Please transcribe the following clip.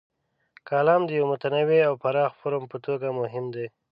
کالم د یوه متنوع او پراخ فورم په توګه مهم دی.